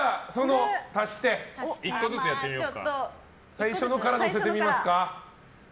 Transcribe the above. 最初のから載せてみますか。